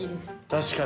確かにね。